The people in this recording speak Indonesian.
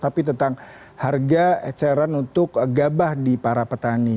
tapi tentang harga eceran untuk gabah di para petani